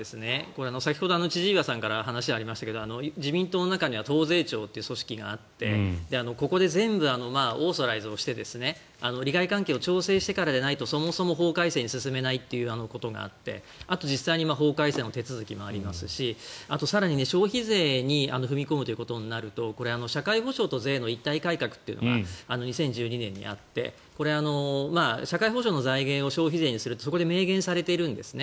先ほど千々岩さんから話がありましたが自民党の中には党政調という組織があってここで全部オーソライズをして利害関係を調整してからでないとそもそも法改正に進めないというのがあってあと実際に法改正の手続きもありますしあとは更に消費税に踏み込むということになると社会保障の税の一体改革というのが２０１２年にあって、これは社会保障の財源を消費税にするとそこで明言されているんですね。